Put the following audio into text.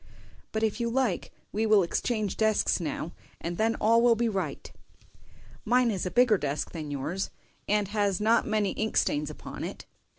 "But if you like we will exchange desks now, and then all will be right. Mine is a bigger desk than yours, and has not many ink stains upon it."